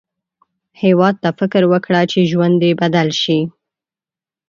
هیواد ته فکر وکړه، چې ژوند دې بدل شي